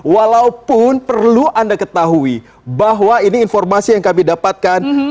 walaupun perlu anda ketahui bahwa ini informasi yang kami dapatkan